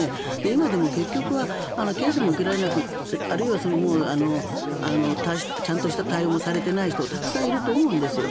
今でも結局は検査も受けられないあるいはちゃんとした対応もされていない人たくさんいると思うんですよ。